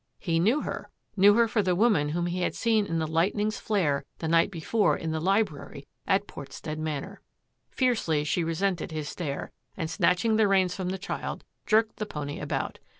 He knew her — knew her for the woman whom he had seen in the light ning's flare the night before in the library at Portstead Manor! Fiercely she resented his stare, and snatching the reins from the child, jerked the pony about.